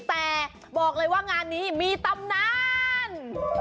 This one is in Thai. แต่บอกเลยว่างานนี้มีตำนาน